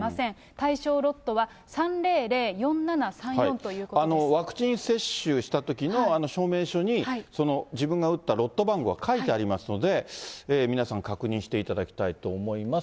対象ロットは、ワクチン接種したときの証明書に、自分が打ったロット番号が書いてありますので、皆さん、確認していただきたいと思います。